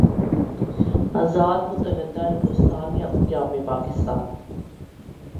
آزاد متحدہ ہندوستان یا قیام پاکستان؟